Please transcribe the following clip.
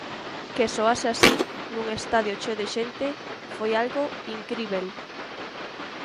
Que soase así, nun estadio cheo de xente... foi algo incríbel.